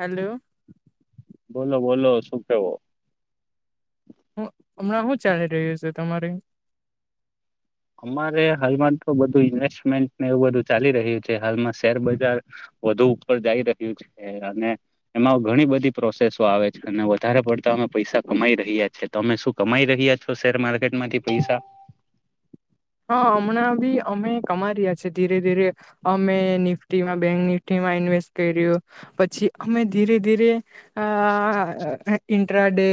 Hello બોલો બોલો શું કેવો? હ હમણાં શું ચાલી રહ્યું છે તમારે? અમારે હાલમાં તો બધું ઇન્વેસ્ટમેન્ટને એવું બધું ચાલી રહ્યું છે હાલમાં શેરબજાર વધુ ઉપર જાઈ રહ્યું છે અને એમાં ઘણી બધી પ્રોસેસો આવે છે અને વધારે પડતા પૈસા કમાઈ રહ્યા છે તમે શું કમાઈ રહ્યા છો શેર માર્કેટમાંથી પૈસા હા હમણાં બી અમે કમાઈ રહ્યા છેએ ધીરે ધીરે અમે બેંક ટીમાં [unintelligible] ઇન્વેસ્ટ કર્યું પછી અમે ધીરે ધીરે આ ઇન્ટ્રાડે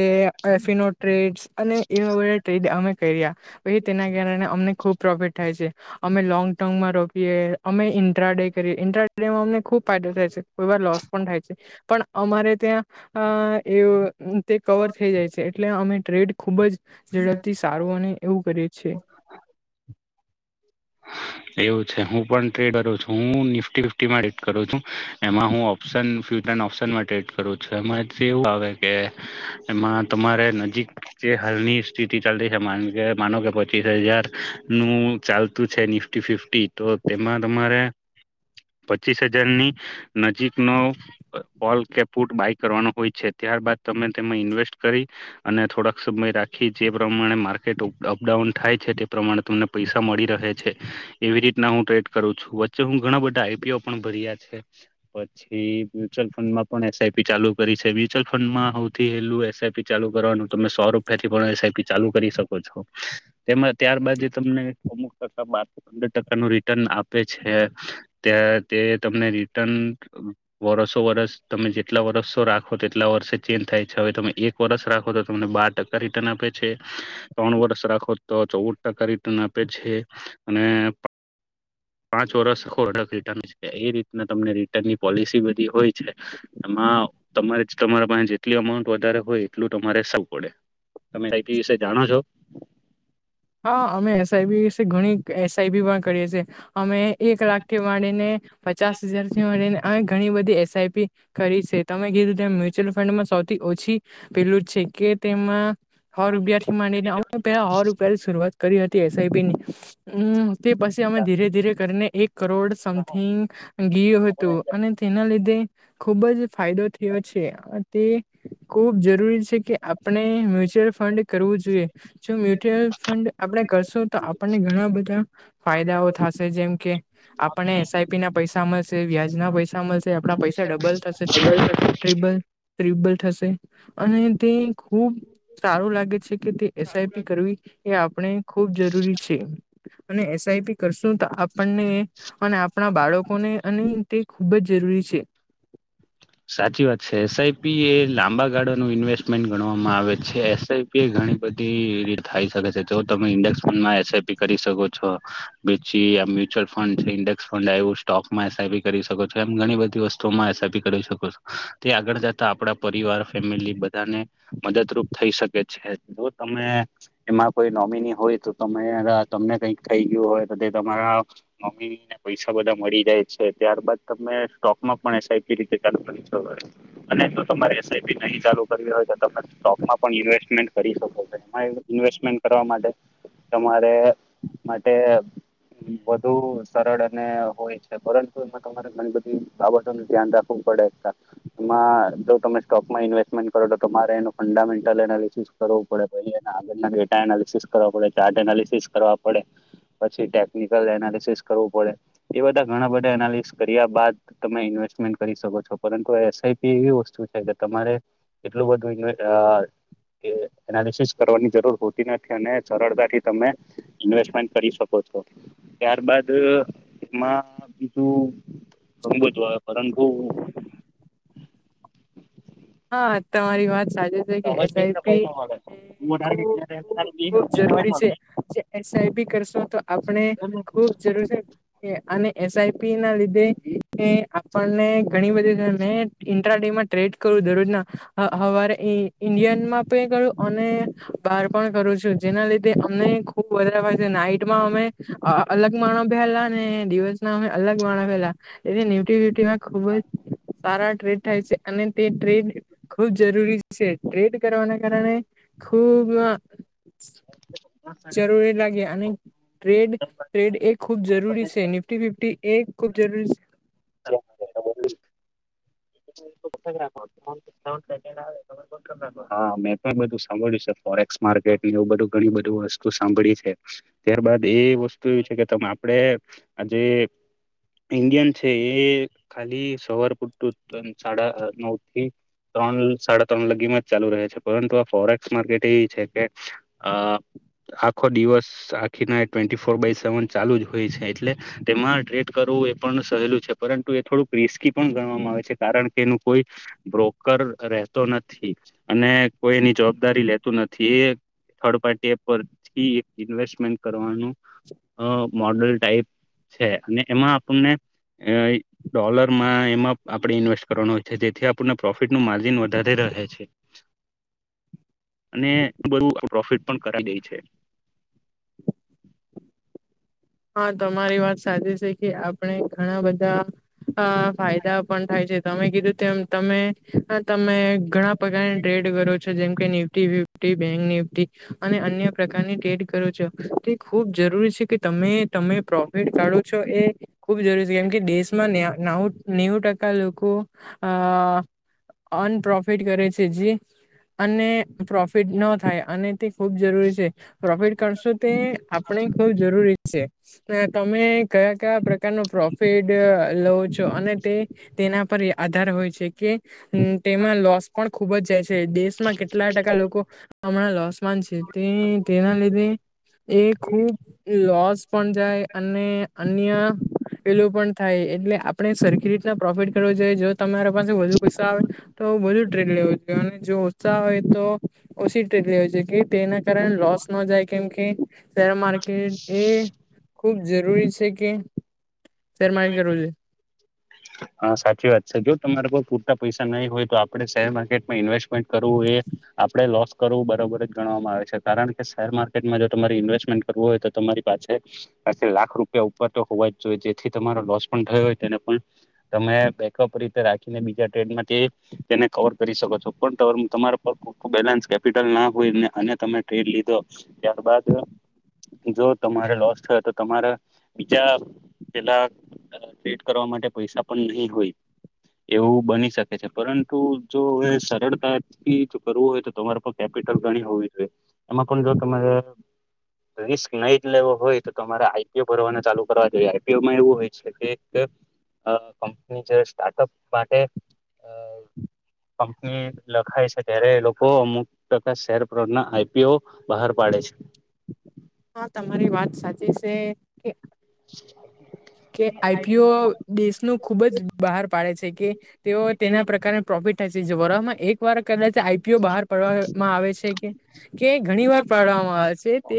એફિનો ટ્રેડ અને એવા બધા ટ્રેડ અમે કર્યા પછી તેના કારણે અમને ખૂબ પ્રોફિટ થાય છે અમે લોંગ ટર્મમાં રોકીએ અમે ઇન્ટ્રાડે કરીએ ઇન્ટ્રાડેમાં અમને ખુબ ફાયદો થાય છે કોઈ વાર લોસ પણ થાય છે પણ અમારે ત્યાં એ કવર થઈ જાય છે એટલે અમે ટ્રેડ ખૂબ જ ઝડપથી સારું અને એવું કરીએ છે એવું છે હું પણ ટ્રે કરું છું હું નિફ્ટી ફિફટી રેટ કરું છું એમાં હું ઓપ્શન ફ્યચરડ [unintelligible] ઓપ્શનમાં ટ્રેડ કરું છું એમાંથી એવું આવે કે એમાં તમારે નજીક હાલની સ્થિતિ ચાલતી છે માનો કે પચીસ હજાર નું ચાલતું છે ફિફ્ટી ફિફ્ટી તો તેમાં તમારે પચીસ હજારની નજીકનો ઓલ કેપૂટ બાય કરવાનો હોય છે ત્યારબાદ તમે તેમાં ઇન્વેસ્ટ કરી અને થોડાક સમય રાખી જે પ્રમાણે માર્કેટ અપડાઉન થાય છે તે પ્રમાણે તમને પૈસા મળી રહે છે એવી રીતના હું ટ્રેડ કરું છું વચ્ચે હું ઘણા બધા આઈપીઓ પણ ભર્યા છે પછી મ્યુચ્યુઅલ ફંડમાં પણ એસઆઈપી ચાલુ કરી છે મ્યુચ્યુઅલ ફંડમાં સૌથી હેલું એસઆઈપી ચાલુ કરવાનું તમે સો રૂપિયા થી પણ એસઈપી ચાલુ કરી શકો છો તેમાં ત્યારબાદ તમને અમુક ટકા પંદર ટકાનું રિટર્ન આપે છે ત્યાં તે તમને રિટન વ વર્ષો વર્ષ તમે જેટલા વર્ષો રાખો તેટલા વર્ષે ચેન્જ થાય છે હવે તમે એક વર્ષ રાખો તો તમને બાર ટકા રિટર્ન આપે છે ત્રણ વર્ષ રાખો તો ચૌદ ટકા રિટર્ન આપે છે. અને પાંચ વર્ષ રાખો એટલે રિટર્ન છે એ રીતના તમને રિટર્નની પોલિસી બધી હોય છે તમા હા તમારે જ તમારા પાસે જેટલી અમાઉન્ટ વધારે હોય એટલું તમારે સારું પડે તમે કઈપી [unintelligible] વિશે જાણો છો? હા અમે એસઆઈબી ઘણી એસઆઈબી પણ કરીએ છીએ અમે એક લાખ થી માડીને પચાસ હજારથી મળીને અને ઘણી બધી એસઆઈપી કરી છે તમે કીધું તેમ મ્યુચ્યુઅલ ફંડમાં સૌથી ઓછી પેલું છે કે તેમાં હો રૂપિયાથી માની ને આઉં રૂપિયા. હો રૂપિયાથી શરૂઆત કરી હતી એસ આઈ પી ની હમ્મ તે પછી અમે ધીરે ધીરે કરીને એક કરોડ સમથિંગ ગીયુ હતું અને તેના લીધે ખુબ જ ફાયદો થયો છે. અહ તે ખુબ જરૂરી છે કે આપણે મ્યુચ્યુઅલ ફંડ કરવું જોઈએ. જો ચ્યુઅલ ફંડ આપણે કરશું તો આપણને ઘણા બધા ફાયદાઓ થશે જેમ કે આપા આપણે એસ આઈ પી ના પૈસા મળશે વ્યાજના પૈસા મળશે આપણા પૈસા ડબલ થશે ટ્રીબ- ટ્રીબલ ત્રીબળ થશે અને તે ખુબ સારું લાગે છે કે તે એસ આઈ પી કરવી એ આપણે ખુબ જરૂરી છે. અને એસ તાઈ પી કરશું તો આપણને અને આપણા બાળકોને અને તે ખૂબ જ જરૂરી છે. સાચી વાત છે. એસ આઈ પી એ લાંબા ગાળાનું ઇન્વેસ્ટમેન્ટ ગણવામાં આવે છે. એસ આઈ પી એ ઘણી બધી એવી થાય શકે છે જો તમે ઇન્ડેક્સ ફંડમાં એસ આઈ પી કરી શકો છો પછી આ મ્યુચ્યુલંડ છે ઈન્ડેક્સ ફંડ આવ્યું સ્ટોક માં એસ આઇ પી કરી શકો છો એવી ગણી બધી વસ્તુ માં એસ આઇ પી કરી શકો છો. તે આગળ જતા આપણા પરિવાર ફેમિલી બધાને મદદરૂપ થઈ શકે છે. એ જો તમે એમાં કોઈ નોમિની હોય તો તમે તમને કઈક કઈ ગયું હોય તો તે મારા મમ્મીને પૈસા બધા મળી જાય છે ત્યારબાદ તમે સ્ટોકમાં પણ એસ આઇ પી એ રીતે ચાલુ સવારે. નહીં તો તમારે એસ આઈ પી નહીં ચાલુ કરવી હોય તો તમે સ્ટોકમાં પણ ઇન્વેસ્ટમેન્ટ કરી શકો છો. એમાં ઇન્વેસ્ટ મેન્ટ કરવા માટે તમારે માટે વધુ સરળ અને હોય છે પરંતુ એમાં તમારે ઘણી બધી બાબતો નો ધ્યાન રાખવું પડે કા. એમાં જો તમે સ્ટોકમાં ઇન્વેસ્ટમેન્ટ કરો તો તો તમારે એનું ફંડામેન્ટલ અહ એનાલિસિસ કરવું પડે. પછી એના આગળના ડેટા એનાલિસિસ કરવા પડે, ચાર્ટ એનાલિસિસ કરવા પડે. પછી ટેકનિકલ એનાલિસિસ કરવું પડે. એ બધા ઘણા બધા એનાલિસસ કર્યા બાદ તમે ઇન્વેસ ટ્મેન્ટ કરી શકો છો. પરંતુ એસ આઈ પી એવી વસ્તુ છે કે તમારે એટલું બધું ઇ આહ કે એનાલિસસ કરવાની જરૂર હોતી નથી અને સરળતાથી તમે ઇન્વેસ્ટમેન્ટ કરી શકો છો. ત્યારબદ એમાં બીજું [inaudible] પરંતુ હા તમારી વાત સાચી છે કે એસ સજ આઈ પી એ પૈસા મળે ખૂબ ખૂબ વધારે બે ખૂબ જરૂરી રૂપિયા છે જે એસ આઈ પી કરશો તો આપણે ખુબ જરૂરી અને એસ આઈ પી ના લીધે એ આપણને ધણી બધી ઘર ને ઇન્ટ્રા ડે માં ટ્રેડ કરું જરૂર ના આહ હવારે એ ઇન્ડિયનમાં કરું અને બાર પણ કરું છું જેના લીધે અમને વધારેમાં જે અમે નાઈટમાં અમે અહ અલગ માં બહેલા ને દિવસ ના અમે અલગમાં બહેલા એ ન્યુટીલીટી માં ખુબ જ સારા ટ્રેડ થાય છે અને તે ટ્રેડ ખુબ જરૂરી છે. ટ્રેડ કરવાના કારણે ખૂબ અહ જરૂરી લાગે અને ટ્રેડ ટ્રેડ એ ખૂબ જરૂરી છે. નિફ્ટી ફિફ્ટી એ ખૂબ જરૂરી [unintelligible] હા, મેં પણ બધું સાંભળ્યું છે. ફોરેક્સ માર્કેટ એવું બધું ઘણી બધું વસ્તુ સાંભળી છે. ત્યારબાદ એ વસ્તુ એવી છે કે તમે આપ ડે એ આજે ઇન્ડિયન છે એ ખાલી સવાર પુરતું ત્રન સાડા નવ થી ત્રણ સાડા ત્રણ લગીમાં જ ચાલુ રહે છે. પરંતુ આ ફોરેક્સ માર્કેટ એવી છે કે અહ- આખો દિવસ આખી night twenty four by seven ચાલુ જ હોય છે. એટલે તેમાં ટ્રેડ કર વું એ પણ સહેલું છે. પરંતુ એ થોડું રિસ્કી પણ ગણવામાં આવે છે કારણ કે એનું કોઈ બ્રોકર રહેતો નથી અને કોઈ એની જવાબદારી લેતું નથી. એ થર્ડ પાર્ટી એપ પરથીએક ઇન્વેસ્ટમેન્ટ કરવાનું અ મોડલ ટાઈપ છે અને એમાં આપણને એ ડોલર માં એમાં આપણે ઇન્વેસ્ટ કરવાનો હોય છે. જેથી આપણને પ્રોફિટનું માર્જિન વધારે રહે છે. અને બધું પ્રોફિટ પણ કરાઈ ગઈ છે. હા, તમારી વાત સાચી છે કે આપણે ઘણા બધા અ ફાયદા પણ થાય છે તમે કીધું તેમ તમે તમે ઘણા બધાને ટ્રેડ કરો છો જેમ કે નિફ્ટી ફિફ્ટી બેંક નિફટી અને અન્ય પ્રકારની ટ્રેડ કરો છો તે ખુબ જરૂરી છે કે મે તમે પ્રોફિટ કાઢો છો એ ખુબ જરૂરી છે કેમ કે દેશમાં નાવું નેવું ટકા લોકો લોકો આ અનપ્રોફિટ કરે છે જે અને પ્રોફિટ ન થાય અને તે ખુબ જરૂરી છે. પ્રોફિટ કરશો તે આપણે ખુબ જરૂરી છે તમે કયા કયા પ્રકારનો પ્રોફિટ લો છો અને તે તે ન પર આધાર હોય છે કે તેમાં લોસ પણ ખુબ જ જાય છે. દેશમાં કેટલા ટકા લોકો લોકો હમણાં લોસન છે તેના લીધે એ ખૂબ લોસ લોસ પણ જાય અને અન્ય પેલું પણ થાય એટલે આપણેે સરખી રીતના પ્રોફિટ કરવું જોઈએ જો તમારા પાસે વધુ પૈસો આવે તો બધું ટ્રેન લેવ અને જો ઓસાહ હોય તો ઓછી ટ્રેન લે હોય છે કે તેના કારણ લોસ નો જાય કેમ કે શેર માર્કેટ એ ખૂબ જરૂરી છે કે શેર માર્કેટ કરવું જોઈએ હા, સાચી વાત છે જો તમારે પૂરતા પૈસા નહી હોય તો આપણે શેર માર્કેટમાં ઇન્વેસ્ટમેન્ટ કરવું એ આપણે લોસ્ટ કરવું બરાબર જ ગણવામાં આવે છે કારણ કે શેર માર્કેટમાં જો તમારે ઇન્વેસ્ટમેન્ટ કરવું હોય તો તમારી પાસે પાસે લાખ રૂપિયા ઉપર તો હોવા જ જોઈએ. જેથી તમારો લોસ પણ થયો હોય તેને પણ તમે બેકઅપ રીતે રાખીને બીજા ટ્રેડમાંથી કવર કરી શકો છો પણ તમારા પર ખ બેલેન્સ કેપિટલ ના હોય ને અને તમે ટ્રેડ લીધો ત્યારબાદ જો તમારે લોસ થયો તો તમારા બીજા પેલા સેટ કરવા માટે પૈસા પણ નહી હોય. એવું બની શકે છે પરંતુ જો સરળતાથી જો કરવું હોય તો તમારે કેપિટલ ગણી હોવી જોઈએ એમાં પણ જો તમે રિસ્ક નહી લેવો હોય તો તમારે આઈ પી ઓ ભરવાને ચાલુ કરવા જોઈએ. આઇ પી ઓ માં એવું હોય છે, કે એક કંપની જ્યારે સ્ટાર્ટ અપ માટે અ કંપની લખાય છે ત્યારે એ લોકો અમુક ટકા શેર આઈ પી ઓ બહાર પાડે પાડે છે. હા, તમારી વાત સાચી છે કે [inaudible] કે આઈ પી ઓ દેશનું ખુબ જ બહાર પાડે છે કે તેઓ તેના પ્રકારે પ્રોફિટ થાય વરસમાં એક વાર કદાચ આઈ પી ઓ બહાર પાડવામાં આવે છે કે કે ઘણી વાર પાડવામાં આવે છે તે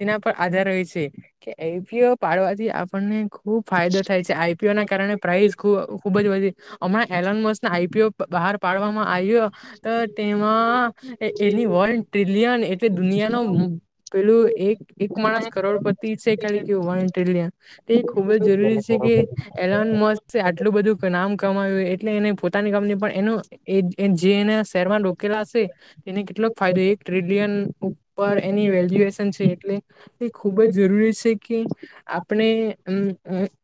તેના આધાર હોય છે કે એ પી ઓ પાડવાથી આપણને ખુબ ફાયદો થાય છે. આઈ પી ઓ ના કારણે પ્રાઇઝ ખુબ જ વધી હમણાં એલન મોસ આઈ પી ઓ બહાર પાડવામાં આવ્યો તો તેમાં માં એની વન ટ્રિલિયન એટલે દુનિયા નુ પેલું એક એક માણસ કરોડપતિ છે ખાલી ખુબ જ જરૂરી છે કે મસ્ત આટલું બધું નામ કમાવ્યું એટલે એને પોતાની કંપની પણ એનું એ જે એને શહેરમાં રોકેલા હશે તેને કેટલો ફાયદો એક ટ્રિલિયન પર એની વેલ્યુએશન છે એટલે એ ખૂબ જ જરૂરી છે, કે આ આપણે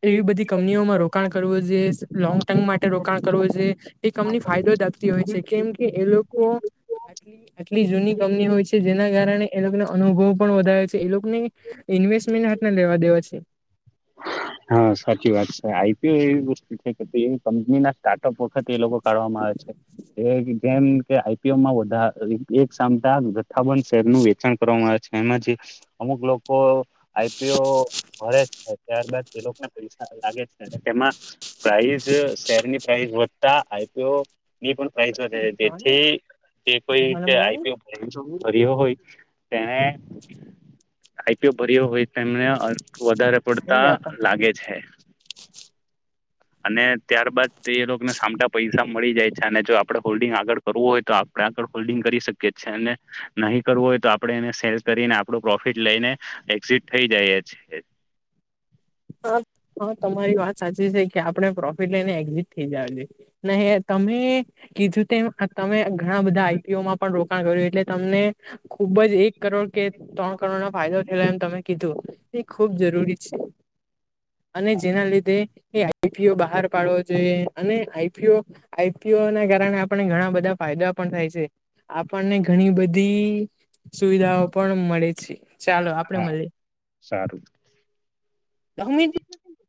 એવી બધી કંપનીઓમાં રોકાણ કરવું જોઈએ લોંગ ટર્મ માટે રોકાણ કરવું જોઈએ. એ કંપની ફાયદો આપતી હોય છે, કેમ કે એ લોકો આટ આટલી જૂની કંપની હોય છે જેના કારણે એ લોકોને અનુભવ પણ વધારે છે એ લોકોને ઇન્વેસ્ટમેન્ટ હાથ ને લેવા દેવા છે. હા સાચી વાત છે આઈપીઓ એવી વસ્તુ છે કે એવી કંપની ના સ્ટાટઅપ વખતે એ લોકો કરવામાં આવે છે. એ જેમ કે આઈપીઓમાં વધાર એક સામ જથ્થાબંધ શેરનું વેચાણ કરવામાં આવે છે. એમાંથી અમુક લોકો આઈ. પી. ઓ. ઘરે જ થાય ત્યારબાદ જે લોકોને પૈસા લાગે છે તેમાં પ્રાાઈઝ શેર ની પ્રાાઈઝ વધ તા આઈ. પી. ઓ. એ પણ પ્રાઈઝ વધે છે હા તેથી જે કોઈ રીતે આઈ. પી. ઓ. ભર્યો હોય તેને આઈ. પી. ઓ. ભર્યો હોય તેમને વધારે પડતા લાગે છે. અને ત્યારબાદ એ લોકોને સામટા પૈસા મળી જાય છે અને જો આપડે હોલ્ડિંગ આગળ કરવું હોય તો આપણે આગળ હોલ્ડિંગ કરી શકીએ છે અને નહીં કરવું હોય તો આપણે એને સેલ કરીને આપણું પ્રોફિટ લઈને એક્ઝિટ થઈ જાય છે. હા હા તમારી વાત સાચી છે કે આપણે પ્રોફિટ લઈને એક્ઝિટ થઈ જવા જોઈએ [unintelligible] અમે કીધું તેમ તમે ઘણા બધા આઈ. પી. ઓ. માં પણ રોકાણ કર્યું એટલે તમને ખૂબ જ એક કરોડ કે ત્રણ કરોડ ના ફાયદો થયો એમ તમે કીધું એ ખુબ જરૂરી છે. અને હા જેના લીધે આઈ. પી. પી. ઓ. બહાર પાડવો જોઈએ અને આઈ. પી. ઓ. ના કારણે આપણે ઘણા બધા ફાયદા પણ થાય છે આપણને ઘણી બધી સુવિધાઓ પણ મળે છે ચાલો આપડે હા મળી. સારું [inaudible]